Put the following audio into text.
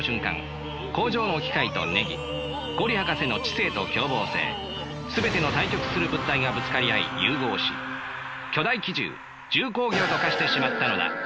工場の機械とネギ五里博士の知性と凶暴性全ての対極する物体がぶつかり合い融合し巨大奇獣重工業と化してしまったのだ。